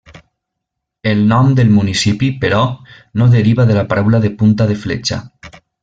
El nom del municipi, però, no deriva de la paraula de punta de fletxa.